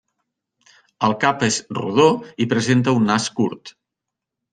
El cap és rodó i presenta un nas curt.